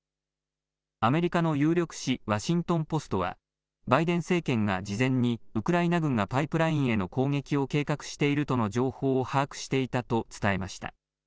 アメリカの有力紙、ワシントン・ポストはバイデン政権が事前にウクライナ軍がパイプラインへの攻撃を計画しているとの情報を把握していたと伝えました。